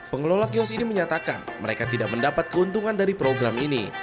pengelola kios ini menyatakan mereka tidak mendapat keuntungan dari program ini